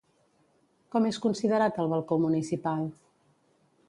Com és considerat el balcó municipal?